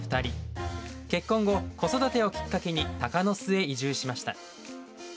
結婚後子育てをきっかけに鷹巣へ移住しました。